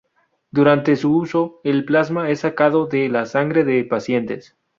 Durante su uso, el plasma es sacado de la sangre de pacientes.